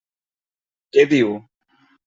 Què diu?